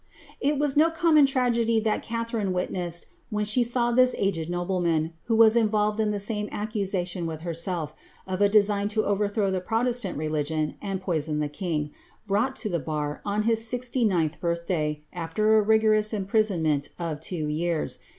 It was no common tragedy that Catharine witnessed when she av this aged nobleman, who was involved in the same accusation with he^ self, of a dei^ign to overthrow the protestant religion and poison the king, brought to the l>ar, on his s^ixty ninth birthday* after a rigoroai imprisonment of two years.